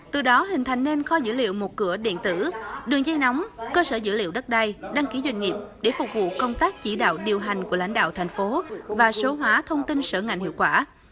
từ đó hình thành nên kho dữ liệu một cửa điện tử đường dây nóng cơ sở dữ liệu đất đai đăng ký doanh nghiệp để phục vụ công tác chỉ đạo điều hành của lãnh đạo thành phố và số hóa thông tin sở ngành hiệu quả